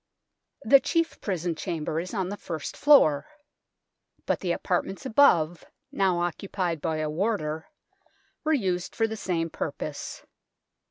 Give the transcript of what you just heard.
The chief prison chamber is on the first io6 THE TOWER OF LONDON floor, but the apartments above, now occu pied by a warder, were used for the same purpose.